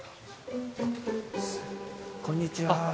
こんにちは。